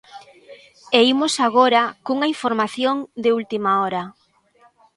E imos agora cunha información de última hora.